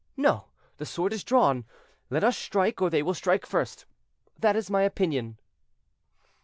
No! the sword is drawn; let us strike, or they will strike first. That is my opinion."